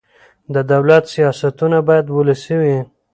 د دولت سیاستونه باید ولسي وي